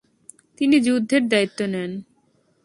তিনি যুদ্ধের দায়িত্ব নেন।